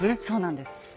そうなんです。